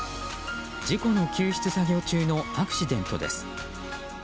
事故の救出作業中のアクシデントです。